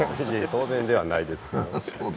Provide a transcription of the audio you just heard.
当然ではないですけど。